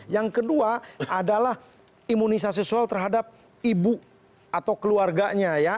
yang kedua adalah imunisasi soal terhadap ibu atau keluarganya ya